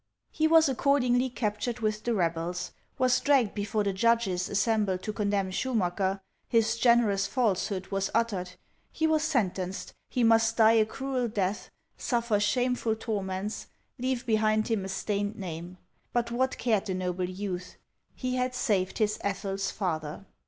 He was accordingly captured with the rebels, was dragged before the judges assembled to condemn Schu macker, his generous falsehood was uttered, he was sen tenced, he must die a cruel death, suffer shameful tor ments, leave behind him a stained name ; but what cared the noble youth ? He had saved his Ethel's father.